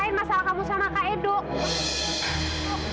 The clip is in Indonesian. kalau kayak gitu kamu selesaiin masalah kamu sama kaedo